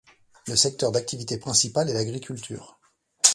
Le secteur d'activité principal est l’agriculture.